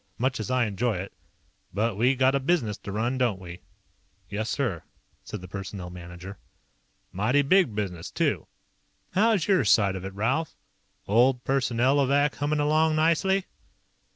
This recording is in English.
Much as I enjoy it. But we got a business to run, don't we?" "Yes, sir," said the Personnel Manager. "Mighty big business, too. How's your side of it, Ralph? Old Personnelovac hummin' along nicely?"